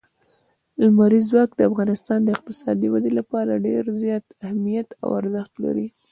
لمریز ځواک د افغانستان د اقتصادي ودې لپاره ډېر زیات اهمیت او ارزښت لري.